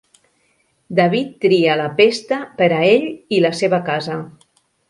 David tria la pesta per a ell i la seva casa.